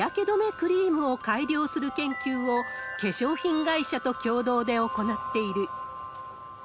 クリームを改良する研究を、化粧品会社と共同で行っている。